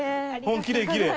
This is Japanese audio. きれいきれい。